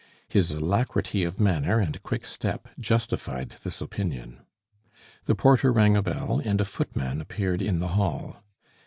His alacrity of manner and quick step justified this opinion. The porter rang a bell, and a footman appeared in the hall.